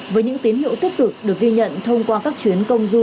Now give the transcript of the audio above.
với những tín hiệu tiếp tục được ghi nhận thông qua các chuyến công du